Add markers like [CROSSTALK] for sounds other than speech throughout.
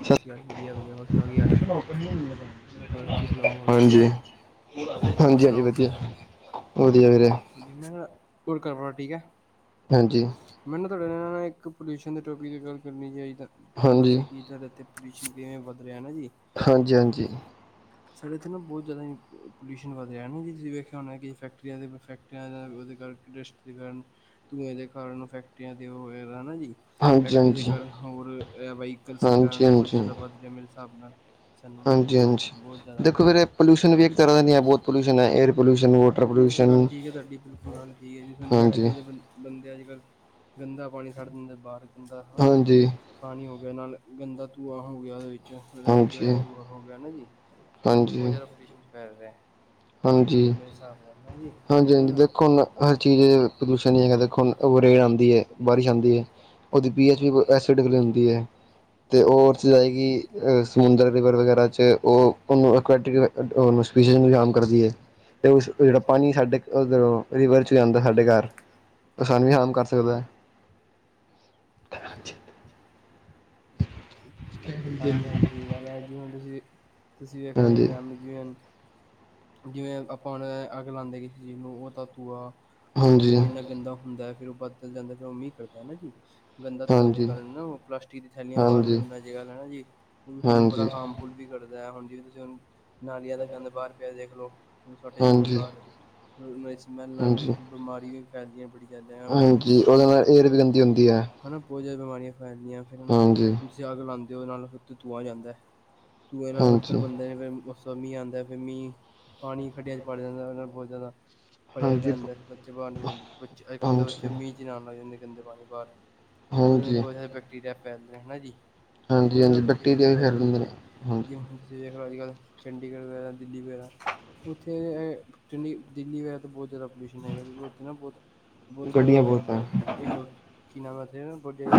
ਸਤਿ ਸ਼੍ਰੀ ਅਕਾਲ ਵਧੀਆ ਵਧੀਆ ਹੋਰ ਸੁਣਾਓ ਕੀ ਹਾਲ ਨੇ ਹੋਰ ਕੀ ਸੁਣਾਓ ਹੋਰ ਵਧੀਆ ਹਾਂਜੀ ਹਾਂਜੀ ਹੋਰ ਹਾਂਜੀ ਸੁਣਾਓ ਵਧੀਆ-ਵਧੀਆ ਵੀਰੇ ਹਾਂਜੀ, ਮੈਂ ਨਾ ਹੋਰ ਘਰ ਪਰਿਵਾਰ ਠੀਕ ਹੈ ਹਾਂਜੀ ਅਂ ਅਂ ਇੱਕ ਪੋਲਿਊਸ਼ਨ ਦੇ ਟੋਪਿਕ ਤੇ ਗੱਲ ਕਰਨੀ ਚਾਹੀਦੀ ਹਾਂਜੀ ਅਤੇ ਪ੍ਰਦਿਸ਼ ਕਿਵੇਂ ਵਧ ਹਾਂਜੀ। ਹਾਂਜੀ। ਸਾਡੇ ਇੱਥੇ ਨਾ ਬਹੁਤ ਜ਼ਿਆਦਾ ਪੋਲਿਊਸ਼ਨ ਵੱਧ ਰਿਹਾ ਨਾ ਜੀ। ਤੁਸੀਂ ਵੇਖਿਆ ਹੋਣਾ ਕਿ ਫੈਕਟਰੀਆਂ ਦੇ ਫੈਕਟਰੀਆਂ ਉਹਦੇ ਕਾਰ ਇੰਡਸਟਰੀ ਦੇ ਕਾਰਨ ਧੂੰਏ ਦੇ ਕਾਰਨ ਫੈਕਟਰੀਆਂ ਦੇ ਉਹ ਹੈ ਨਾ ਜੀ ਹਾਂਜੀ ਫੈਕਟਰੀਆਂ ਦੇ ਹਾਂਜੀ ਕਾਰਨ ਹੋਰ ਬਾਈ। ਐਸੇ ਹਾਂਜੀ ਕਾਰਨ ਬਹੁਤ ਹਾਂਜੀ ਜ਼ਿਆਦਾ ਵੱਧ ਲੇ ਮਿਲ ਸਬ ਨਾਲ ਸਾਨੂੰ ਹਾਂਜੀ ਹਾਂਜੀ ਬਹੁਤ ਜ਼ਿਆਦਾ ਦੇਖੋ ਵੀਰੇ ਪੋਲਿਊਸ਼ਨ ਵੀ ਇੱਕ ਤਰ੍ਹਾਂ ਦਾ ਨਹੀਂ ਹੈ ਬਹੁਤ ਪੋਲਿਊਸ਼ਨ ਹੈ ਏਅਰ ਪੋਲਿਊਸ਼ਨ ਵਾਟਰ ਹਾਂਜੀ। ਇਹ ਤੇ ਗੱਲ ਪੋਲਿਊਸ਼ਨ ਠੀਕ ਹੈ ਤੁਹਾਡੀ ਬਿਲਕੁਲ ਗੱਲ ਠੀਕ ਹੈ ਜ ਹਾਂਜੀ ਫੈਕਟਰੀਆਂ ਦੇ ਬੰਦੇ ਅੱਜ ਕੱਲ ਗੰਦਾ ਪਾਣੀ ਛੱਡ ਦਿੰਦਾ ਬਾਹਰ। ਬੰਦਾ ਹੈ ਨਾ ਜੀ ਹਾਂਜੀ ਪਾਣੀ ਨਾਲ਼ੇ ਗੰਦਾ ਧੂੰਆ ਹੋ ਗਿਆ ਉਹਦੇ ਵਿੱਚ। ਹਾਂਜੀ ਪ੍ਰੋਜੈਕਟ ਪੁਰਾ ਗਿਆ ਨਾ ਜੀ ਮੈਨੂੰ ਹਾਂਜੀ ਬਹੁਤ ਜਾਦਾ [UNINTELLIGIBLE] ਹਾਂਜੀ। ਹਾਂਜੀ। ਸਹੀ ਹਾਂਜੀ ਗੱਲ ਆ ਦੇਖੋ ਹੁਣ ਹਰ ਚੀਜ਼ ਪ੍ਰਦੂਸ਼ਣ ਹੈਗਾ ਦੇਖੋ ਹੁ ਰੇੜ ਆਉਂਦੀ ਹੈ ਬਾਰਿਸ਼ ਆਉਂਦੀ ਹੈ ਉਹਦੀ ਪੀਐ ਚ ਡੀ ਅਗਲੇ ਹੁੰਦੀ ਹ ਤੇ ਉਹ ਚ ਜਾਏਗੀ ਸਮੁੰਦਰ ਦੇ ਉੱਪਰ ਵਗੈਰਾ ਚ ਉਹ ਕੁਰਟੀਸ਼ਨ ਜਿਹੜਾ ਪਾਣੀ ਸਾਡੇ ਓਦਰੋ ਰਵਰ ਚ ਵੀ ਆਦਾ ਸਾਡੇ ਘਰ ਸਾਨੂੰ ਵੀ ਰਾਮ ਕਰ ਸਕਦਾ ਹੈ। [UNINTELLIGIBLE] ਹਾਂਜੀ। ਹਾਂਜੀ। ਸਹੀ ਗੱਲ ਹੈ ਅੱ ਜੀ ਹੁਣ ਤੁਸੀਂ ਤੁਸੀਂ ਵੇਖ ਲੋ ਕਿ ਹਾਂਜੀ ਨਾਮ ਜ ਜਿਵੇਂ ਆਪਾਂ ਉਹ ਅੱਗ ਲਾਉਦੇ ਕਿਸੇ ਚੀਜ਼ ਨੂੰ ਉਹ ਤਾਂ ਤੂਆ। ਉਹਦਾ ਹਾਂਜੀ ਧੂੰਆ ਇੰਨਾ ਗੰਦਾ ਹੁੰਦਾ ਹੈ। ਫੇਰ ਉਹ ਬਦਲ ਜਾਂਦਾ ਫਿਰ ਉਹ ਮੀਂਹ ਕਰਦਾ ਹਨਾ ਜੀ। ਗੰਦਾ ਧੂੰਏ ਦੇ ਹਾਂਜੀ ਕਾਰਨ ਨਾ ਉਹ ਪਲਾਸਟਿਕ ਦੀਆਂ ਥੈਲੀਆਂ ਬਾਲ ਹਾਂਜੀ ਦਿੰਦੇ। ਖਾਨਾ ਜੀ ਉਹ ਸਾਨੂੰ ਬੜਾ ਹਾਂਜੀ ਹਾਰਮਫੁਲ ਵੀ ਕਰਦਾ। ਹੁਣ ਜਿਵੇਂ ਤੁਸੀਂ ਹੁਣ ਨਾਲੀ ਦਾ ਗੰਦ ਬਾਹਰ ਪਿਆ ਦੇਖ ਹੈਲੋ। ਉਹ ਛੱਟ ਜਾਂਦੇ ਨੇ ਹਾਂਜੀ ਬਾਹਰ। [UNINTELLIGIBLE] ਸੁਮੇਲ ਨਾਲ ਬਿਮਾਰੀਆਂ [UNINTELLIGIBLE] ਹਾਂਜੀ [UNINTELLIGIBLE] ਹਾਂਜੀ ਉਹਦੇ ਨਾਲ ਏਅਰ ਵੀ ਗੰਦੀ ਹੁੰਦੀ ਹੈ ਬਹੁ ਜ਼ਿਆ ਬਮਾਰੀਆਂ ਫੈ ਫ ਹਾਂਜੀ ਤੁਸੀਂ ਅੱਗ ਲਾਨ ਉਹਦੇ ਨਾਲ ਫ ਤੂੰ ਆ ਜਾਂਦਾ ਹੈ ਤੂੰ ਇਹ ਨਾਲ ਪੱਧਰ ਹਾਂਜੀ ਬੰਦੇ ਨੇ ਫਿਰ ਮੀਂਹ ਆਂਦਾ ਫਿਰ ਮੀਹ ਪਾਣੀ ਖੱਡਿਆਂ ਚ ਵੜ ਜਾਂਦਾ ਬਹੁਤ ਜ਼ਿਆਦਾ ਭਰਿਆ ਹਾਂਜੀ ਰਹਿੰਦਾ ਬੱਚੇ ਬੱਚੇ ਅੱਜ ਕੱਲ ਦੇ ਹਾਂਜੀ ਬੱਚੇ ਮੀਂਹ ਚ ਨਾਉਣ ਲੱਗ ਜਾਂਦੇ ਗੰਦੇ ਪਾਣੀ ਬਾਹਰ ਉਸਨੇ ਹਾਂਜੀ ਬਹੁਤ ਸਾਰੇ ਬੈਕਟਰੀਆ ਫੈਲਦੇਾ ਹੇਨਾ ਜੀ ਹਾਂਜੀ ਬਹੁਤ ਜ਼ਿਆਦਾ ਹਾਂਜੀ ਪੋਲੂਸ਼ਨ ਬੈਕਟੀਰੀਆ ਵੀ ਹੈਗਾ ਫੈਲ ਜਾਂਦੇ ਨੇ ਜ ਹਾਂਜੀ ਹੁਣ ਤੁਸੀਂ ਦੇਖੋ ਅੱਜ ਕੱਲ ਚੰਡੀਗੜ੍ਹ ਵਗੈਰਾ ਦਿੱਲੀ ਵਗੈਰਾ ਉੱਥੇ ਚੰਡੀ ਦਿੱਲੀ ਵਗੈਰਾ ਤਾਂ ਬਹੁਤ ਜ਼ਿਆਦਾ ਪੋਲਯੂਸ਼ਨ ਹੈਗਾ ਬਹੁਤ -ਬਹੁਤ ਉਹ ਗੱਡੀਆਂ ਬਹੁਤ ਹੈ ਹੈਗਾਂ ਕਿਨਾ [UNINTELLIGIBLE] [UNINTELLIGIBLE] ਉਥੇ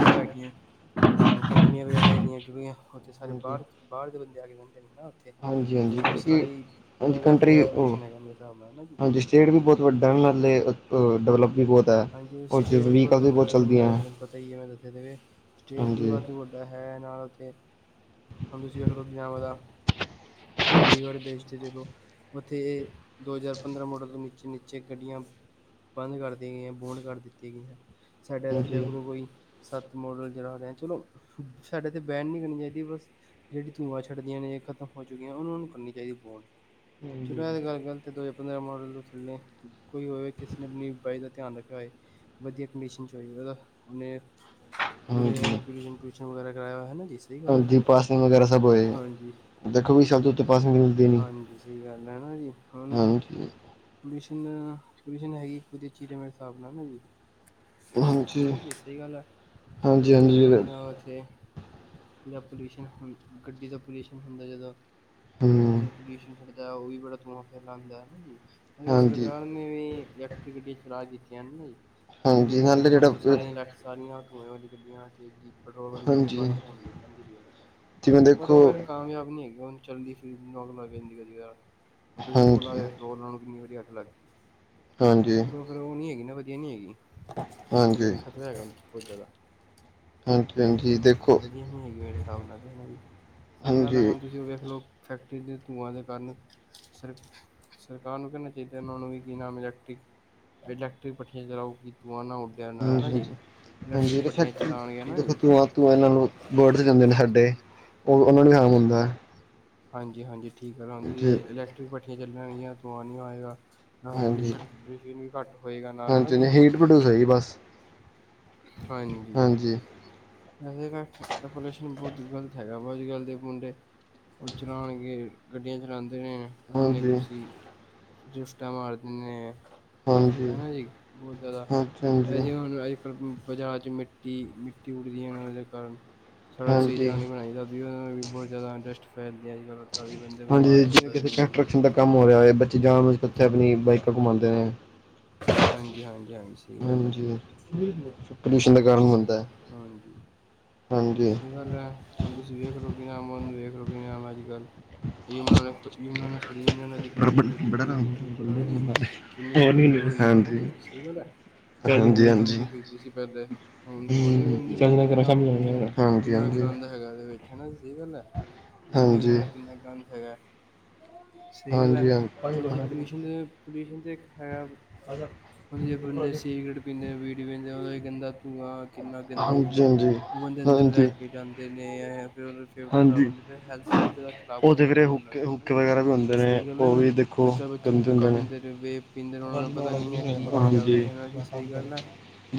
ਸਾਰੇ ਹਾਂਜੀ ਬਾਹਰ ਬਾਹਰ ਦੇ ਬੰਦੇ ਆ ਕੇ ਜਾਂਹਿੰਦੇ ਨੇ ਨਾ ਉਥੇ ਹਾਂਜੀ-ਹਾਂਜੀ ਉਸ ਕਿਉਂਕਿ ਸਾਰੇ ਹਾਂਜੀ ਕੰਟਰੀ ਵਾਿਆਦਾ ਉਹ ਪੋਲਿਊਸ਼ਨ ਹੈਗਾ ਮੇਰੇ ਹਿਸਾਬ ਨਾਲ ਜ ਹਾਂਜੀ ਡਿਵਲਪ ਹਾਂਜੀ ਸਟੇਟ ਬਹੁਤ ਵੱਡਾ ਤੇ ਮੈਨੂੰ ਚੱਲਦੀਆਂ ਹੈ ਦੱਸਨ ਪਤਾ ਹੀ ਹੈ ਮੈਂ ਦੱਸੇ ਦੇਵੇ ਸਟੇਟ ਵੀ ਹਾਂਜੀ। ਵੱਧ ਵੱਡਾ ਹੈ ਨਾਲ ਉੱਥੇ ਹੁਣ ਤੁਸੀਂ ਵੇਖ ਲਓ ਪੰਜਾਬ ਦਾ ਚੰਡੀਗੜ੍ਹ ਦੇਸ਼ ਤੇ ਚਲੋ ਉੱਥੇ ਇਹ ਦੋ ਹਜ਼ਾਰ ਪੰਦਰਾਂ ਮੋਡਲ ਤੋਂ ਨੀਚੇ -ਨੀਚੇ ਗੱਡੀਆਂ ਬੰਦ ਕਰ ਗਈਆਂ ਬੋਡ ਕਰ ਦਿੱਤੀਆਂ ਗਈਆਂ ਸਾਡੇ ਇੱਥੇ ਹਾਂਜੀ, ਵੇਖੂ ਲੋਕੋਈ ਸੱਤ ਮੋਡਲ ਜਿੜ ਰਿਹਾ ਚਲੋ ਸਾਡੇ ਤਾਂ ਬੈਨ ਨਹੀਂ ਕਰਨੀ ਚਾਹੀਦੀ ਬਸ ਜਿਹੜੀ ਧੂੰਆਂ ਛੱਡਦੀਆਂ ਨੇ ਇਹ ਖਤਮ ਹੋ ਚੁੱਕੀਆਂ ਉਹਨਾਂ ਨੂੰ ਕਰਨੀ ਚਾਹੀਦੀ ਫੋਨ ਚਲੋ ਇਹ ਤਾਂ ਗੱਲ ਗਲਤ ਹੈ ਦੋ ਪੰਦਰਾਂ ਮੋਡਲ ਤੋ ੱਲੇ ਕੋਈ ਹੋਵੇ ਕਿਸੇ ਨੇ ਆਪਣੀ ਬਾਈ ਦਾ ਧਿਆਨ ਰੱਖਿਆ ਹੋਏ ਵਧੀਆ ਕੰਡੀਸ਼ਨ 'ਚ ਹੋ ਉਹਦਾ ਉਹਨੇ [UNINTELLIGIBLE] ਹਾਂਜੀ, ਟਿਊਸ਼ਨ ਵਗੈਰਾ ਕਰਾਇਆ ਹੈਾਨਾ ਹਾਂਜੀ ਪਾਸਨਿੰਗ ਵਗੈਰਾ ਸਭ ਹੋਏ ਹਾਂਜੀ ਦੇਖੋ ਵੀ ਸ਼ਬ ਤੋਂ ਉੱਤੇ ਪਾਸਿਗ ਮਿਲਦੀ ਨ ਹਾਂਜੀ ਸਹੀ ਗੱਲ ਹੈ ਨਾ ਜੀ ਹੁਣ ਹਾਂਜੀ ਪੋਲਿਊਸ਼ਨ ਪੋਲਿਊਸ਼ਨ ਹੈਗੀ ਚੀਰੇ ਮੇਰੇ ਹਿਸਾਬ ਨਾਲ ਨਾ ਜੀ ਹਾਂਜੀ, ਹਾਂਜੀ, ਹਾਂ ਵੀ ਸਹੀ ਗੱਲ ਹੈ ਹੁਣ ਤੁਸੀਂ ਹਾਂਜੀ ਵੇਖਲਓ ਕਿ ਨਾ ਇੱਥੇ ਜਾਂ ਪੋਲਿਊਸ਼ਨ ਹ ਗੱਡੀ ਦਾ ਪੋਲਿਊਸ਼ਨ ਹੁੰਦਾ ਜਦੋਂ ਗੱਡੀ ਹੂੰ ਦਾ ਪੋਲਿਊਸ਼ਨ ੜ ਉਈ ਬੇ ਤਮੈਂ ਫੈਲ ਲ ਦ ਨ ਜੀ ਅ ਹਾਂਜੀ, ਸਰਕਾਰ ਨੇ ਵੀ ਅਕਟੀਵੀਟੀ ਚ ਰਾਜਤੀ ਨਹੀਂ। ਕਹਿੰਦੇ ਹਾਂਜੀ ਪਏ ਨੇ ਨਾਲੇ ਹੁਣ ਤ ਜਿਹੜਾ ਸਾਰੀਆਂ ਲੈ ਸਾਰੀਆਂ। ਧੂੰ ਹੋ ਗੱਲੀਆਂ। ਪੈਟਰੋਲ ਵਾਲੀ ਗੱਡੀਆਂ ਹਾਂਜੀ ਬੰਦ ਹੋਣ ਕਹਿੰਦੀ ਜਿਵੇਂ ਪਈ ਪਰ ਦੇਖੋ ਉਹ ਫ ਕਾਮਯਾਬ ਨੀ ਹੈਗੀ ਉਹ ਚੱਲਦੀ ਫਿਰ ਨੌਕਦੀ ਵ ਹਾਂਜੀ, ਦੇਖਲ ਨੂੰ ਕਿੰਨੀ ਵਾਰੀ ਲੱਗ ਹੈ। ਹਾਂਜੀ, [UNINTELLIGIBLE] ਹਾਂਜੀ, ਫੋ ਨੀ ਹੈਗੀ ਨਾ। ਹੈਗੀ। ਹਾਂਜੀ, ਦੇਖ ਤਾਂ ਹੈਗਾ ਬਹੁਤ ਜ਼ਿਆਦਾ ਗਲਤੀ ਹਾਂਜੀ ਦੇਖੋ ਵਧੀਆ ਨ ਹੈਗੀ ਮੇਰੇ ਹਿਸਾਬ ਨਾਲ ਜ ਸਹੀ ਗੱਲ ਹੈ ਹਾਂਜੀ, ਹੁਣ ਤੁਸੀਂ ਉਹ ਵੇਖ ਲਓ ਫੈਕਟਰੀ ਦੇ ਧੂੰਆਂ ਦੇ ਕਾਰਨ ਸਰ ਸਰਕਾਰ ਨੂੰ ਕਹਿਣਾ ਚਾਹੀਦਾ ਉਹਨਾਂ ਨੂੰ ਵੀ ਨਾਮਲੈਕਟ। ਇਲੈਕਟ੍ਰਿਕ ਪੱਠੀਆਂ ਚਲਾਓਗੀ ਤੂੰ ਆ ਨਾ ਉੱਡਿਆ ਨਾ ਹੈ ਹ ਨਾ ਜੀ ਹਾਂ ਇਲੈਕਟ੍ਰਿਕ ਭੱਠੀਆਂ ਚਲਾਉਣਗੇ ਨਾ ਦੇਖੋ ਜੀ ਤੂੰਆਂ ਤੂੰ ਇਹਨਾਂ ਵਰਡ ਜਾਂਦੇ ਨੇ ਸਾਡੇ ਉਹ ਉਹਨਾ ਨੂੰ ਖਮ ਹੁੰਦਾ। ਹਾਂਜੀ ਹਾਂਜੀ। ਠੀਕ ਹੈਾਂ ਤੁ ਜੀ ਇਲੈਕਟ੍ਰਿਕ ਪੱਠੀਆਂ ਚੱਲ ਦੂੰਆ ਨਹੀਂ ਹੋਏਗਾ। ਨਾ ਹਾਂਜੀ ਪੋਲਿਊਸ਼ਨ ਪੋਲ ਵੀ ਘੱਟ ਹੋਏਗਾ ਨਾਲ ਹਨਾ ਹਾਂਜੀ ਨਹੀਂ ਜੀ। ਹੀਟ ਪ੍ਰੋਡਿਊਸ ਹੈ ਜੀ ਬਸ ਹਾਂਜੀ। ਬਹੁਤ ਗ਼ਲਤ ਹੈਗਾ ਵਾ ਅੱਜ ਕੱਲ ਦੇ ਮੁੰਡੇ ਉਹ ਚਲਾਉਣਗੇ ਗੱਡੀਆਂ ਚਲਾਦੇ ਇੰਨੇ ਹਾਂਜੀ ਕੁਸੀ ਗਿਫਟ [UNINTELLIGIBLE] ਹਾਂਜੀ ਹਨਾ ਜੀ ਬਹੁਤ ਹਾਂਜੀ ਹਾਂਜੀ ਜ਼ਿਆਦਾ ਜੇ ਹੁਣ ਅਜ ਕੱਲ ਬਾਜਾਰ ਚ ਮਿੱਟੀ ਉੱਡਦੀਆਂ ਨੇ ਉਹਦੇ ਕਾਰਨ ਸੜਕ ਸਹੀ ਹਾਂਜੀ ਤਰ੍ਹਾਂ ਨ ਬਣਾਈ ਜਾਂਦੀ ਬਹੁਤ ਜ਼ਿਆਦਾ ਇੰਟਰਸਟੈਲ ਅੱਜ ਕੱਲ੍ਹ ਏਦਾਂ ਦੇ ਬੰਦੇ ਹਾਂਜੀ ਬਿਮਾਰ ਹੋ ਜਿਵੇਂ ਕਿਸੇ ਸਕਦੇ ਨੇਊ ਕੰਸਟਰਕਸ਼ਨ ਦਾ ਕੰਮ ਹੋ ਰਿਹਾ ਹੋਏ ਜਾਣ ਉੱਥੇ ਆਪਣੀ ਬਾਈਕਾਂ ਘੁਮਾਂਦੇ ਨੇ ਹਾਂਜੀ ਹਾਂਜੀ ਹਾਂਜੀ ਸਹੀ ਗੱਲ ਆ ਹਾਂਜੀ ਪੋਲਿਊਸ਼ਨ ਦਾ ਹਾਂਜੀ ਕਾਰਨ ਸ ਬਣਦਾ ਹੈ ਹਜੀ। ਹਾਂਜੀ ਸਹੀ ਗੱਲ ਹੈ ਹੁਣ ਤੁਸੀਂ ਵੇਖ ਲੋ ਕਿ ਨਾ ਮਨ ਨੂੰ ਵੇਖ ਰ ਨਾਮ ਅਜ ਕ ਯਨਾਂ ਕਰਰੀਮ ਨਦੀ ਕਿੰਨੀ ਪੋਲਊਟਡ ਬੜਾ ਹੋਈ ਹਾਂਜੀ ਬਿਲਕੁਲ ਹੈ ਨਾ ਜੀ ਕਿੰਨੀ ਪੋਲਿਊਟਡ ਹੋਈ ਦੀ ਹੈ ਨਾ ਹਾਂਜੀ ਜੀ ਸਹੀ ਗੱਲ ਹੈ ਹਾਂਜੀ ਇੰਨੀ ਹਾਂਜੀ ਗੰਦੀ ਹੋਈ ਪ ਸੀ ਪਹਿਲੇ ਹੁਣ ਹੁਣ ਵੀ ਗੰਦੀ ਪਈ ਆ ਇੰਨਾ ਪੋਲਿਊਸ਼ਨ ਹਾਂਜੀ ਇੰਨਾ ਗੰਦ ਹੈਗਾ ਇਹਦੇ ਵਿੱਚ ਹਨ। ਸਹੀ ਗੱਲ ਹੈ ਤੁਸੀਂ ਦੇਖਿਆ ਹਾਂਜੀ ਹੋਣਾ ਕਿੰਨਾ ਗੰਦ ਹੈਗਾ ਸਹੀ ਗੱਲ ਐ, ਹਾਂਜੀ ਹੁਣ ਪੋਲਿਊਸ਼ਨ ਦੇ ਪੋਲਿਊਸ਼ਨ ਤੇ ਹੈ ਜੇ ਬੰਦੇ ਸਿਗੀਰਟ ਪੀਂਦੇ, ਬੀੜੀ ਪੀਂਦੇ ਉਹਦਾ ਗੰਦਾ ਧੂੰਆਂ ਕਿੰਨਾ ਗੰਦਾ ਹਾਂਜੀ ਹੁੰਦਾ, ਹਾਂਜੀ ਉਹ ਬੰਦੇ ਅੰਦਰ ਲੈ ਹਾਂਜੀ ਕੇ ਜਾਂਦੇ ਨੇ ਫਿਰ ਫੇਫੜੇ ਖਰਾਬ ਹਾਂਜੀ ਹੁੰਦੇ ਤੇ ਹੈਲਥ ਬਹੁਤ ਜ਼ਿਆਦਾ ਖਰਾਬ ਉਹ ਹੋ ਤੇ ਵੀਰੇ ਜਾਂਦੀ ਹੈ ਉਹ ਹੁੱਕੇ ਦੀ ਹਨਾ ਹੁੱਕੇ ਜੀ, ਵਗੈਰਾ ਵੀ ਹੁੰਦੇ ਨੇ ਸਹੀ ਗੱਲ ਹੈ ਉਹ ਨਾ? ਵੀ ਦੇਖੋ ਅੱਜ ਕੱਲ੍ਹ ਬੱਚੇ ਗੰਦੇ ਹੁੱਕਾ ਹੁੰਦੇ ਨੇ ਪੀਂਦੇ ਪੀਂਦੇ ਨੇ ਉਹਨਾਂ ਨੂੰ ਪਤਾ ਨ ਨਹੀਂ ਹੈ ਕੀ ਹੈਗਾ ਵੇ ਹਾਂਜੀ ਹੈ ਨਾ ਜੀ ਸਹੀ ਗੱਲ ਹੈ?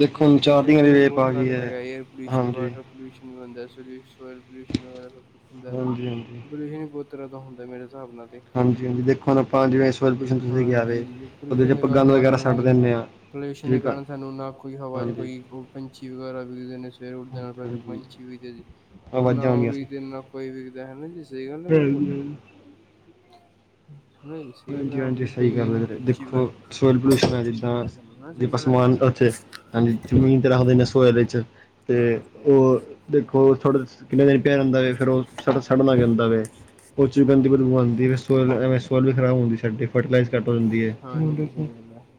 ਹੁਣ ਜੇ ਚਾਰ ਪੋਲਿਊਸ਼ਨ ਦੀ ਵੀ ਵਾਲੀ ਰੇਪ ਬਹੁਤ ਆ ਤਰ੍ਹਾਂ ਗਈ ਦਾ ਹੈਗਾ ਹੈ ਏਅਰ ਪੋਲਿਊਸ਼ਨ, ਹਾਂਜੀ ਵਾਟਰ ਪੋਲਿਊਸ਼ਨ ਵੀ ਬਣਦਾ ਸੋ ਆਇਲ ਪੋਲਿਊਸ਼ਨ ਵਗੈਰਾ ਸਭ ਕੁਝ ਹੁੰਦਾ ਐ, ਹਾਂਜੀ ਹਾਂਜੀ ਪੋਲਿਊਸ਼ਨ ਵੀ ਬਹੁਤ ਤਹਾਂ ਦਾਂ ਹੁੰਦਾ ਮੇਰੇ ਹਿਸਾਬ ਨਾਲ ਤੇ, ਹਾਂਜੀ ਹਾਂਜੀ ਦੇਖੋ ਹੁਣ ਆਪਾਂ ਜਿਵੇਂ ਇਸ ਵਾਰ ਪੁਸ਼ਨ ਤੁਸੀਂ ਕਿਹਾ ਵੇ ਹਾਂਜੀ ਉਹਦੇ ਚ ਪੋਲਿਊਸ਼ਨ ਦੇ ਆਪਾਂ ਕਾਰਨ ਗੰਦ ਨਾ ਵਗੈਰਾ ਸਾਨੂੰ ਸੱਟ ਕੋਈ, ਦਿੰਦੇ ਹਾਂ ਪੋਲਿਊਸ਼ਨ ਜਿਵੇਂ ਦੇ ਕਾਰਨ ਸਾਨੂੰ ਨਾ ਕੋਈ ਹਵਾ ਚ ਹਾਂਜੀ ਕੋਈ ਪੰਛੀ ਵਗੈਰਾ ਵਿਖਦੇ ਨੇ ਸਵੇਰੇ ਉੱਠਦੇ ਨਾਲ ਹਾਂਜੀ ਪਹਿ ਹਾਂਜੀ ਪੰਛੀ ਵਿਕਦੇ ਸੀ, ਉਹੁ ਨਾ ਆਵਾਜ਼ਾਂ ਉਹ ਆਉਂਦੀਆਂ ਸੀ ਵਿਕਦੇ ਨਾ ਕੋਈ ਵਿਕਦਾ, ਹਨਾ ਜੀ ਸਹੀ ਗੱਲ ਹੈ ਬਿਲਕੁਲ ਹੂੰ। ਹਾਂਜੀ-ਹਾਂਜੀ ਸਹੀ ਗੱਲ ਐ ਵੀਰੇ, ਪੰਛੀ ਵਗੈਰਾ ਦੇਖੋ ਸੋਇਲ ਕੋਈ ਪੋਲਿਊਸ਼ਨ ਹੈ ਕੁਛ ਨੀ ਜਿੱਦਾਂ ਵਿਕਦਾ ਸਾਨੂੰ ਹਨਾ ਸਹੀ ਗੱਲ ਹੈ ਪਸਮਾਨ ਉੱਥੇ ਹਾਂਜੀ ਜ਼ਮੀਨ ਤੇ ਰੱਖਦੇ ਨੇ ਸੋਇਲ ਚ ਤੇ ਉਹ ਦੇਖੋ ਥੋੜਾ ਕਿੰਨੇ ਦਿਨ ਪਿਆ ਰਹਿੰਦਾ ਫਿਰ ਉਹ ਸ ਸੜਨ [UNINTELLIGIBLE] ਐਵੇਂ ਸੋਈਲ ਖ਼ਰਾਬ ਹੁੰਦੀ ਸਾਡੀ, ਫਰਟੀਲਾਈਜ਼ ਘੱਟ ਹੋ ਜਾਂਦੀ ਏ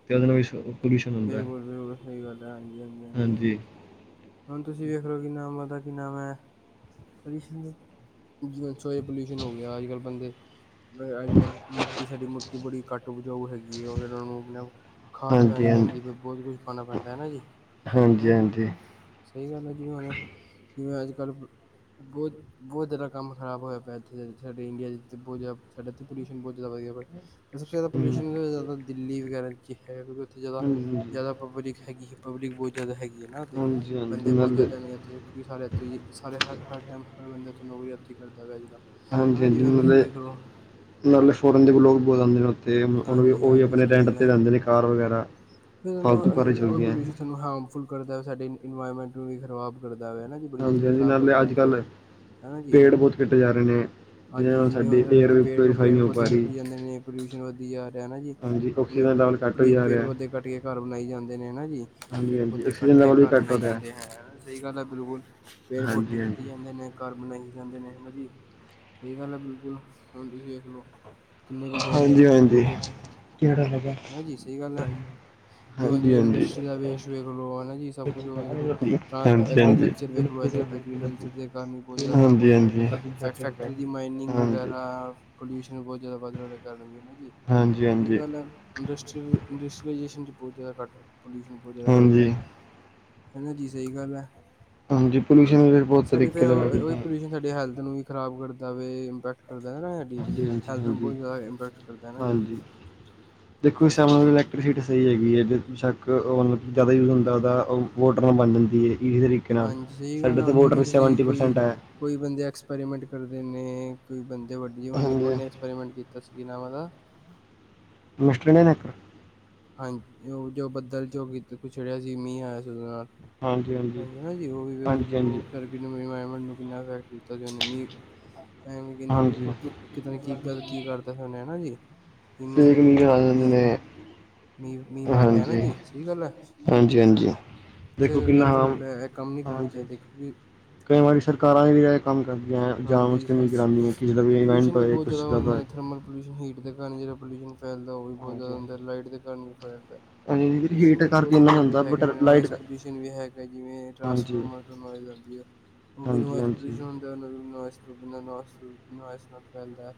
ਤੇ ਉਹਦੇ ਨਾਲ ਵੀ ਪੋਲਿਊਸ਼ਨ ਹੁੰਦਾ ਹੈ ਬਿਲਕੁਲ-ਬਿਲਕੁਲ ਸਹੀ ਗੱਲ ਐ, ਹਾਂਜੀ, ਹਾਂਜੀ, ਹਾਂਜੀ। ਹੁਣ ਤੁਸੀਂ ਵੇਖ ਲੋ ਕਿ ਨਾਮ ਮਤਲ ਕਿ ਨਾਮ ਐ [UNINTELLIGIBLE] ਪੋਲਿਊਸ਼ਨ ਹੋ ਗਿਆ ਅੱਜ ਕੱਲ੍ਹ ਬੰਦੇ [UNINTELLIGIBLE] ਮਿੱਟੀ ਸਾਡੀ ਮਿੱਟੀ ਬੜੀ ਘੱਟ ਉਪਜਾਊ ਹੈਗੀ ਆ, ਉਹਨਾਂ ਨੂੰ ਖਾਦ ਹਾਂਜੀ ਪੈਣੀ ਹਾਂਜੀ ਪੈਂਦੀ ਬਹੁਤ ਕੁਛ ਪਾਉਣਾ ਪੈਂਦਾ ਹਨਾ ਜੀ, ਹਾਂਜੀ ਹਨਾ ਜੀ। ਹਾਂਜੀ ਸਹੀ ਗੱਲ ਐ ਜਿਵੇਂ ਹੁਨ ਜਿਵੇਂ ਅੱਜ ਕੱਲ੍ਹ ਬਹੁਤ, ਬਹੁਤ ਜ਼ਿਆਦਾ ਕੰਮ ਖਰਾਬ ਹੋਇਆ ਪਿਆਆ ਇੱਥੇ ਸਾਡੇ ਇੰਡੀਆ ਚ, ਬਹੁਤ ਜ਼ਿਆਦਾ ਸਾਡੇ ਇੱਥੇ ਪੋਲਿਊਸ਼ਨ ਬਹੁਤ ਜ਼ਿਆਦਾ ਵਧੀਆ ਸਭ ਤੋ ਜ਼ਿਆਦਾ ਪੋਲੂਊਸ਼ਨ, ਜ਼ਿਆਦਾ ਦਿੱਲੀ ਵਗੈਰਾ ਚ ਕਿ ਹੈ [UNINTELLIGIBLE] ਉੱਥੇ ਜ਼ਿਆਦਾ, ਹਾਂਜੀ ਜ਼ਿਆਦਾ ਪਬਲਿਕ ਹੈਗੀ ਹੈ। ਪਬਲਿਕ ਬਹੁਤ ਜ਼ਿਆਦਾ ਹੈਗੀ ਨਾ ਦੇ ਹਾਂਜੀ ਹਾਂਜੀ ਬਹੁਤ ਨਾਲੇ ਜ਼ਿਆਦਾ ਨੇ ਇੱਥੇ ਕਿਉਂਕਿ ਸਾਰੇ ਇੱਥੇ ਹੀ ਸਾਰੇ ਹਰ, ਹਰ ਟਾਈਮ ਹਰ ਬੰਦੇ [UNINTELLIGIBLE] ਇੱਥੇ ਕਰਦਾ ਪਿਆ ਅੱਜ-ਕੱਲ। ਹਾਂਜੀ-ਹਾਂਜੀ ਮਤਬ ਨਾਲਤਬ ਫੋਰਨ ਦੇ ਵੀ ਲੋਕ ਬਹੁਤ ਆਂਦੇ ਨੇ ਤੇ ਹੁਣ ਹਾਂਜੀ ਉਹ ਵੀ ਹਾਂਜੀ ਆਪਣੇ ਸਹੀ ਰੈਂਟ ਗੱਲ ਤੇ ਹੈ ਜਾਂਦੇ ਨੇ ਕਾਰ ਵਗੈਰਾ [UNINTELLIGIBLE] [INAUDIBLE] [INAUDIBLE] ਫਾਲਤੂ ਕਾਰਾਂ ਚੱਲਦੀਆਂ ਹੈ ਕਰਦਾ ਸਾਡੀ ਇਨਪੋਮੈਂਟ ਨੂੰ ਵੀ ਖਰਾਬ ਕਰਦਾ। ਜ਼ਿਆਦਾ ਜੀ ਬੜੀ ਹਾਂਜੀ ਜਲਦੀ ਹਾਂਜੀ ਖ਼ਰਾਬ ਕਰ ਨਾਲੇ ਅੱਜ ਦਿੰਦਾ ਕੱਲ੍ਹ ਹਨਾ ਜੀ, ਪੇੜ ਬਹੁਤ ਕੱਟੇ ਜਾ ਰਹੇ ਨੇ ਜਿਹਦੇ ਹਾਂਜੀ ਨਾਲ ਸਾਡੀ ਏਅਰ ਸਾਡੇ ਵੀ ਪਿਊਰੀਫਾਈ ਪੇੜ ਨਹੀਂ ਹੋ ਪਾ ਪੌਦੇ ਰਹੀ ਕੱਟੀ ਜਾਂਦੇ ਨੇ ਪਲੋਸ਼ਨ ਵ ਪੀ ਆਰ ਹੈ, ਨਾ ਜੀ ਹਾਂਜੀ ਆਪਣੇ ਆਕਸੀਜਨ ਲੈਵਲ ਘੱਟ ਹੋਈ ਜਾ ਪੇੜ ਰਿਹਾ ਪੌਦੇ ਕੱਟ ਕੱਟ ਕੇ ਘਰ ਬਣਾਈ ਜਾਂਦੇ ਨੇ ਹਨਾ ਜੀ ਹਾਂਜੀ ਪੇੜ ਹਾਂਜੀ ਪੌਤੇ ਆਕਸੀਜਨ ਕੱਟ ਕੇ ਲੈਵਲ ਵੀ ਘਰ ਘੱਟ ਹੋ ਬਣਾਈ ਰਿਹਾ ਜਾਂਦੇ ਹੈ ਹਨਾ ਸਹੀ ਗੱਲ ਹੈ ਬਿਲਕੁਲ ਪੇੜ ਪੌਤੇ ਹਾਂਜੀ ਕੱਟੀ ਹਾਂਜੀ ਜਾਂਦੇ ਨੇ ਘਰ ਬਣਾਈ ਜਾਂਦੇ ਨੇ ਹਨਾ ਜੀ, ਸਹੀ ਗੱਲ ਹੈ ਬਿਲਕੁਲ, ਹੁਣ ਤੁਸੀਂ ਦੇੇਖ ਲਓ ਕਿੰਨੇ ਬੰਦੇ ਅੱਜ ਕੱਲ੍ਹ ਹਾਂਜੀ ਪੇੜ ਹਾਂਜੀ ਪੌਦੇੇ, ਹੈਂ ਜੀ ਸਹੀ ਗੱਲ ਹੈ ਜੋ ਆਂਟੀ ਹਾਂਜੀ ਜੀ ਹਾਂਜੀ ਇੰਡੀਅਸਟਰੀਆ ਵੇਸਟ ਵੇਖ ਲਉ, ਹੈ ਨਾ ਸਭ ਕੁਜ ਹਾਂਜੀ ਹਾਂਜੀ ਐਗਰੀਕਲਚ ਵੇਖ ਲਉ, ਐਗਰੀਕਲੱਚਰ ਦੇ ਕਾਰਨ ਬੋਤ ਹਾਂਜੀ ਜਿਆਦਾ ਖਰਾਬ ਹੁੰਦਾ, ਹਾਂਜੀ ਹਾਂਜੀ ਏ ਫੈਕਟਰੀ ਦੀ ਮੈਨਿੰਗ ਵਗੈਰਾ ਪਾਇਲਊਸ਼ਨ ਬਹੁ ਜਿਆਦਾ ਵਧਣ ਵਾਲੇ ਕਾਰਨ ਵੀ ਸਹੀ ਹਾਂਜੀ ਗੱਲ ਹੈ ਇੰਡਸਟਰੀਲ ਇੰਡ [INAUDIBLE] [INAUDIBLE] ਪੂਜੇ ਦਾ ਘੱਟ ਪੋਲੂਸ਼ਨ ਬਹੁਤ ਜ਼ਿਆਦਾ ਵਧ ਰਿਹਾ ਹਾਂਜੀ ਹਨਾ ਜੀ--ਸਹੀ ਗੱਲ ਹੈ ਹਾਂਜੀ ਪੋਲੂਸ਼ਨ ਵੀ ਬਹੁਤ ਸਾਡੀ ਤਰੀਕੇ ਫਿਰ ਦੀ ਰਹੀਦੀ ਉਹੀ ਆ। ਪੋਲਿਊਸ਼ਨ ਸਾਡੀ ਹੈਲਥ ਨੂੰ ਵੀ ਖ਼ਰਾਬ ਕਰਦਾ ਵੇ ਇਨਫੈਕਟ। ਹਾਂਜੀ-ਹਾਂਜੀ ਇੰਪੈਕਟ ਕਰਦਾ ਹੈ ਨਾ ਜੀ। ਹਾਂਜੀ-ਹਾਂਜੀ ਦੇਖੋ ਸੇਵਣ ਇਲੈਕਟ੍ਰੀਸਿਟੀ ਸਹੀ ਹੈਗੀ ਹੈ ਬੇਸ਼ੱਕ ਓ ਨ ਜ਼ਿਆਦਾ ਉਹ ਜ਼ਿਆਦਾ ਓ ਵੋਟ ਫੋਮ ਬਣ ਜਾਦੀ ਏ। ਹਾਂਜੀ, ਜਿਵੇਂ ਤੁਸੀਂਕੋਈ, ਹੈ ਕੋਈ ਬੰਦੇ ਐਕਸਪੈਰੀਮੈਂਟ ਕਰਦੇ ਨੇ ਕੋਈ ਬੰਦ ਤੇਵੱਡੀ ਹਾਂਜੀ ਉਹਨੇ ਐਕਸਪੈਰੀਮੈਂਟ ਕੀਤਾ ਸੀ ਕਿ ਮੈ ਆਵਗਾ ਮਿਸਟਰ ਨੇ, ਨੇ, ਹਾਂਜੀ ਜੋ ਉਹ ਜੋ ਬੱਦਲ ਜੋ ਵੀ [INAUDIBLE] ਹਾਂਜੀ, ਹਾਂਜੀ, ਉਹ ਵੀ ਹਾਂਜੀ ਹਾਂਜੀ ਵੇਖੋ ਥਰੈਪੀ ਤੇ ਮਿਲਣ ਆਇਆ ਮੈਨੂੰ। ਏਨਾ ਫੈਕਟ ਕੀਤਾ ਸੀ ਮੇ ਮਮ੍ਮੀ ਐ ਕਿਨ ਹਾਂਜੀ ਕਿਤੇ ਨੇ ਕੀ ਗਲਤ ਕੀ ਕਰਤਾ ਸਿਰਨੇ ਹੈਾ ਜੀ ਮੀਂਹ ਸ੍ਰੀ ਰਾਮ ਨੇ। ਮ ਮੀਂ ਆ ਗਿਆ ਨਾ ਹਾਂਜੀ ਜੀ ਸਹੀ ਗੱਲ ਹੈ ਹਾਂਜੀ ਹਾਂਜੀ ਕਿਸੇ ਦੇਖੋ ਦੇ ਐ ਕਿੰਨਾ ਹਾਰਮ ਗਲਤ ਕੰਮ ਨਈ ਕਰਨੇ ਹਾਂਜੀ ਚਾਹੀਦੇ। ਹਾਂਜੀ [INAUDIBLE] ਏ ਕੰਮ ਜਾਂਣ ਬੁੱਝ ਕੇ ਵੀ ਘਰਾਦੀ ਕਿਸੇ ਦਾ ਵੀ ਇਵੈਂਟ ਹੋਏ ਕਿਸ ਤਰ੍ਹਾਂ ਆ ਜਿਹੋਲਊਸ਼ਨ ਫੈਲਦਾ ਉਹ ਵੀ ਬਹੁਤ ਜ਼ਿਆਦਾ ਹੁੰਦਾ ਲਾਈਟ ਦੇ ਕਾਰਨ ਵੀ ਫੈਲਦਾ ਹਾਂਜੀ ਪੋਲਿਊ ਹੀਟ ਤਾਂ ਬਹੁਤ ਕਰਕੇ ਇੰਨਾ ਤਰ੍ਹਾਂ ਦੇ ਹੁੰਦਾ ਬਟ ਹੈਗੇ ਨੇ ਨੋਇਜ਼ ਲਾਈਟ ਪੋਲਿਊ ਵੀ ਹੈਗਾ ਜਿਵੇਂ ਹਾਂਜੀ ਟਰਾਂਸਫਾਰਮਰ ਆਉਂਦੀ ਹੈ ਉਹ ਵੀ ਹਾਂਜੀ ਨੋਇਜ਼ ਪੋਲ ਹਾਂਜੀ ਹੁੰ ਬਿ ਨੋਇਸ-ਨੋਇਸ ਨਾਲ ਫੈਲਦਾ ਹੈ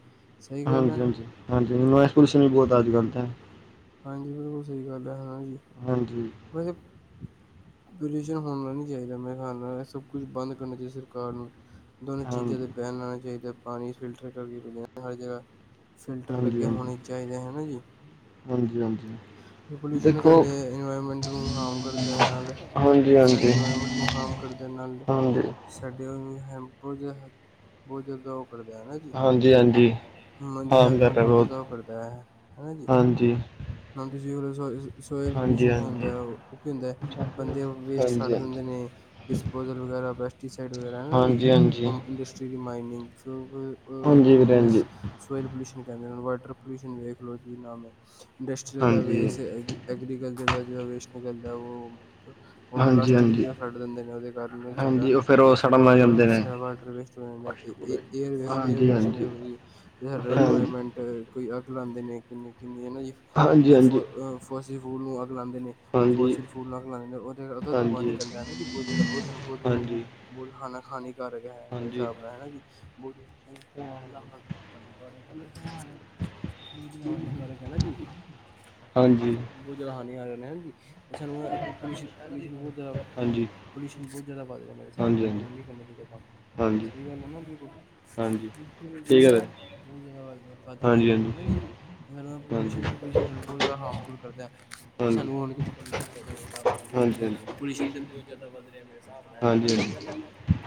ਸਹੀ ਗੱਲ ਹੈ ਹਾਂਜੀ-ਹਾਂਜੀ-ਹਾਂਜੀ ਨੋਆਈਸ ਪੋਲਊਸ਼ਨ ਵੀ ਬਹੁਤ ਆ ਅੱਜ ਕੱਲ੍ਹ ਤਾਂ ਹਾਂਜੀ ਬਿਲਕੁਲ ਸਹੀ ਗੱਲ ਹੈ ਹਾਂਜੀ ਹਾਂਜੀ [UNINTELLIGIBLE] ਪੋਲਿਊਸ਼ਨ ਹੋਣਾ ਨੀ ਚਾਹੀਦਾ ਮੈਂ ਖ ਸਭ ਕੁਛ ਬੰਦ ਕਰਨਾ ਚਾਹੀਦਾ ਸਰਕਾਰ ਨੂੰ ਹਾਂਜੀ, ਦੋਨੋ ਚੀਜ਼ਾਂ ਹਾਂਜੀ, ਬੈਣ ਲਾਣਾ ਚਾਹੀਦਾ ਪਾਣੀ ਫਿਲਟਰ ਕਰਕੇ ਪੀਨੇ ਆ ਹਰ ਜਗ੍ਹਾ ਫਿਲਟਰ ਲੱਗੇ ਹੋਣੇ ਚਾਹੀਦੇ ਹੈਨਾ ਜੀ ਹਾਂਜੀ-ਹਾਂਜੀ ਪੋਲਿਊਸ਼ਨ ਸਾਡੇ ਇਨਵਾਇਰਮੈਂਟ ਨੂੰ ਹਾਰਮ ਕਰਦਾ ਨਾਲ ਹਾਂਜੀ, ਸਾਡੇ ਹਾਂਜੀ, ਇਨਵਾਇਰਮੈਂਟ ਨੂੰ ਹਾਰਮ ਕਰਦਾ ਨਾਲ ਹਾਂਜੀ, ਸਾਡੇ ਉਹ ਹੈ ਬੋਜੇ ਬੋਜੇ ਦਾਉ ਕਰਦਾ ਹੈਨਾ ਜੀ ਹਾਂਜੀ, ਹਾਂਜੀ ਦੀ ਸਦੀਂ ਹਾਰਮ ਹੈਲਥ ਕਰ ਨੂੰ ਰਿਹਾ ਬਹੁਤ ਜਿਆਦਾ ਉਹ ਕਰਦਾ ਹੈ ਹੈਨਾ ਜੀ ਹਾਂਜੀ, ਜੀ ਰ ਸੋ ਸੋਇਲ ਹਾਂਜੀ, ਪੋਲਿਊਸ਼ਨ ਹਾਂਜੀ, ਹੁੰਦਾ ਉਹ ਕੀ ਹੁੰਦਾ ਬੰਦੇ ਵੇਸਟ ਸੱਡ ਹਾਂਜੀ, ਹਾਂਜੀ, ਦਿੰਦੇ ਨੇ ਡਿਸਪੋਜਲ ਵਗੈਰਾ ਪੈਸਟੀਸਾਈਡ ਵਗੈਰਾ ਹਾਂਜੀ, ਹਾਂਜੀ, ਨੀਮ ਇੰਡਸਟਰੀ ਦੀ ਮਾਈਨਿੰਗ ਹਮ ਅ ਇਸ ਹਾਂਜੀ ਵੀਰੇ ਕੈਹਦੇਂ ਹਾਂਜੀ, ਸੋਇਲ ਪੋਲਊਸ਼ਨ ਕਹਿੰਦੇ ਪੋਲਿਊਸ਼ਨ ਵੇਖ ਲਓ ਕੀ ਨਾਂਮ ਇ ਦਾ ਹਾਂਜੀ, ਵੇਸਟ ਐਗਰੀਕਲਚਰ ਦਾ ਜ ਵੇਸਟ ਨਿਕਲਦਾ ਉਹ ਉਹ ਹਾਂਜੀ, ਪਲਾਸਟਿਕ ਹਾਂਜੀ, ਜਿਹੜੇ ਉਹ ਛੱਡ ਦਿੰਦੇ ਨੇ ਉਹਦੇ ਕਾਰਨ ਹਾਂਜੀ ਉਹ ਫਿਰ ਉਹ ਸਾਡਾ-ਸਾਡਾ ਸੜਨ ਲੱਗ ਵਾਟਰ ਜਾਂਦੇ ਨੇ ਸਾ ਵਾਟਰ ਵੇਸਟ ਹੋ ਜਾਂਦਾਏਅ ਏਅਰ ਹਾਂਜੀ, ਹਾਂਜੀ, ਪੋਲਿਊਸ਼ਨ ਦੀ ਹਾਂਜੀ, ਸਾਡਾ ਹਾਂਜੀ, ਇਨਵਾਇਰਮੈਂਟ ਕੋਈ ਅੱਗ ਲਉਦੇ ਨੇ ਕ ਕਿੰਨੀ ਇਹ ਨਾ ਜੀ ਯ ਫ ਹਾਂਜੀ, ਫਸਟ ਵੂਲ ਨੂੰ ਅਗ ਖਲਾਦੇ ਨੇ ਹਾਂਜੀ, ਹਾਂਜੀ, ਫਸ ਫੂਲ ਨਾਲ ਖਲਾਂਦੇ ਨੇ ਉਹਦੇ ਉਹਦਾ ਧੂੰਆ ਹਾਂਜੀ, ਹਾਂਜੀ, ਨਿਕਲਦਾ ਨਾ ਜੀ ਬਹੁਤ ਜ਼ਿਆਦਾ ਉਹ ਸਾਨੂੰ ਬਹੁਤ ਹਾਂਜੀ, ਬਹੁਤ ਖਾਣਾ ਹਾਨਿ ਹਾਨੀਕਾਰਕ ਹੈ ਮੇਰੇ ਹਿਸਾਬ ਨਾਲ ਹਨਾ, ਜੀ ਬ ਬ ਦਾ ਹ ਹਾਨੀਕਾਰਕ ਹੈ, ਬਝ ਦਾ ਹਾਨੀਕਾਰਕ ਹੈ ਜੀ। ਹਾਂਜੀ, ਉਝ ਹਾਨੀ ਆ [UNINTELLIGIBLE] ਸਾਨੂੰ ਪੋ ਪੋਲਿਊਸ਼ਨ, ਪੋਲਿਊਸ਼ਨ ਬਹੁਤ ਜ਼ਿਆਦਾ ਹਾਂਜੀ, ਪੋਲਿਊਸ਼ਨ ਬਹੁਤ ਜਿਆਦਾ ਵੱਧ ਰਿਹਾ ਮੇਰੇ ਹਿਸਾਬ ਨਾਲ ਹਾਂਜੀ, ਹਾਂਜੀ ਸਾਨੂੰ ਨੀ ਕਰਨਾ ਚਾਹੀਦਾ ਕੰਮ ਹਾਂਜੀ ਸਹੀ ਗੱਲ ਹੈ ਨਾ ਬਿਲਕੁਲ ਹਾਂਜੀ ਠੀਕ ਹੈ ਵੀਰੇ [UNINTELLIGIBLE] ਵੱਧ ਗਿਆ ਹਾਂਜੀ ਹਾਂਜੀ ਹਨਾ ਜੀ ਹਾਂਜੀ [UNINTELLIGIBLE] [UNINTELLIGIBLE] ਹਾਰਮਫੁਲ ਕਰਦਾ। ਹਾਂਜੀ ਸਾਨੂੰ ਹੁਣ ਕੁਛ ਕਰਨਾ ਨੀ ਚਾਹੀਦਾ ਮੇਰੇ ਸਾਬ ਹਾਂਜੀ ਹਾਂਜੀ ਪੋਲਿਊਸ਼ਨ ਤੇ ਬਹੁਤ ਜ਼ਿਆਦਾ ਵੱਧ ਰਿਹਾ। ਹਾਬ ਨਾਲ ਜੀ ਹਾਂਜੀ ਹਾਂਜੀ ਸਹੀ ਗੱਲ ਹੈ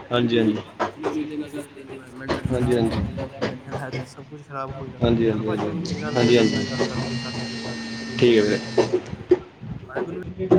ਸਾਡੇ ਪ ਹਾਂਜੀ ਪੋਲਿਊਸ਼ਨ ਦੇ ਕਰਕੇ ਸਾਡੇ ਇਨਇਰਮੈਂਟ ਹਾਂਜੀ ਹਾਂਜੀ ਹਾਂਜੀ ਖ਼ਰਾਬ ਹੋ ਜਾਂਦਾ ਮੈਂਟਲ ਹੈਲਥ ਸਭ ਕੁਛ ਖਰਾਬ ਹੋ ਜਾਂਦਾ ਹਾਂਜੀ ਚਲੋ ਹਾਂਜੀ ਭਾਜੀ ਮੈਨੂੰ ਚੰਗਾ ਲੱਗਿਆ ਹਾਂਜੀ ਤੁਹਾਡੇ ਹਾਂਜੀ ਨਾਲ ਗੱਲ ਕਰਕੇ ਸੱਸ ਸ੍ਰੀ ਕਾਲ ਚਲੋ ਠੀਕ ਹੈ ਚੰਗਾ ਵੀਰੇ ਲੱਗਿਆ। [UNINTELLIGIBLE]